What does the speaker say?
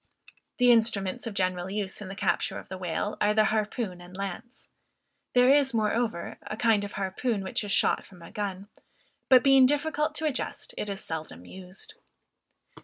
The instruments of general use in the capture of the whale, are the harpoon and lance. There is, moreover, a kind of harpoon which is shot from a gun, but being difficult to adjust, it is seldom used.